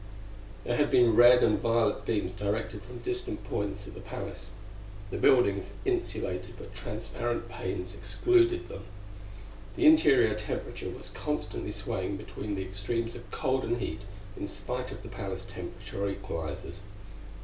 There had been red and violet beams directed from distant points at the palace. The building's insulated, but transparent panes excluded them. The interior temperature was constantly swaying between the extremes of cold and heat, in spite of the palace temperature equalizers.